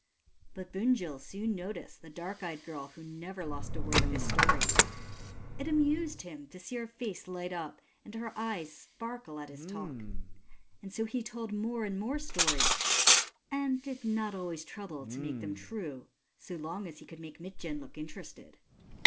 But Bunjil soon noticed the dark eyed girl who never lost a word of his stories. It amused him to see her face light up and her eyes sparkle at his talk ; and so he told more and more stories, and did not always trouble to make them true, so long as he could make Mitjen look interested.